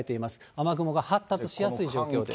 雨雲が発達しやすい状況です。